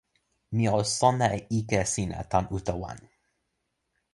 mi o sona e ike sina tan uta wan.